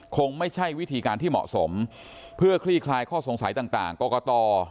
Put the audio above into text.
คงไม่ใช่วิธีการที่เหมาะสมเพื่อคลี่คลายข้อสงสัยต่างกรกต